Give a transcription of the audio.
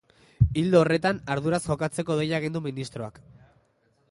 Ildo horretan, arduraz jokatzeko deia egin du ministroak.